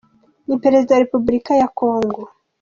Ni Perezida wa Repubulika ya Kongo .